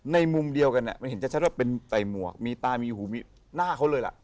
มุมเดียวกันมันเห็นชัดว่าเป็นใส่หมวกมีตามีหูมีหน้าเขาเลยล่ะ